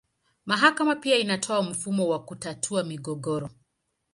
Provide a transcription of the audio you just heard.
Mahakama pia inatoa mfumo wa kutatua migogoro.